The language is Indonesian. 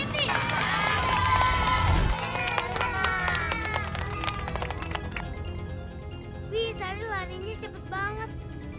bisa jalan ini cepet banget